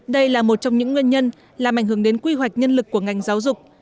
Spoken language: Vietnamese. đây là một trong những nguyên nhân làm ảnh hưởng đến quy hoạch nhân lực của ngành giáo dục